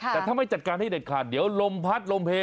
แต่ถ้าไม่จัดการที่แบบด้วยก่อนเดี๋ยวลมพัดลมเพลง